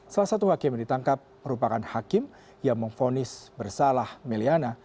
salah satu hakim yang ditangkap merupakan hakim yang memfonis bersalah meliana